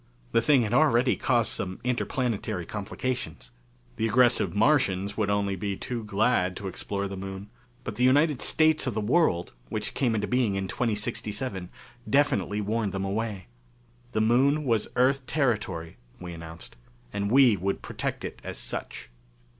The thing had already caused some interplanetary complications. The aggressive Martians would be only too glad to explore the Moon. But the United States of the World, which came into being in 2067, definitely warned them away. The Moon was Earth territory, we announced, and we would protect it as such.